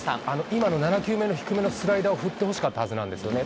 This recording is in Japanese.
今の７球目の低めのスライダーを振ってほしかったはずなんですよね。